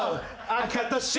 赤と白！